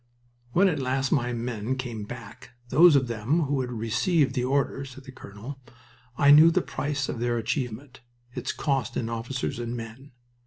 "When at last my men came back those of them who had received the order," said the colonel, "I knew the price of their achievement its cost in officers and men."